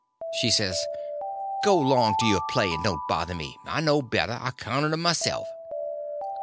She says: "Go 'long to your play, and don't bother me. I know better, I counted 'm myself."